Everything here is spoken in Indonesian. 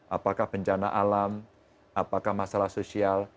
apakah bencana alam apakah masalah sosial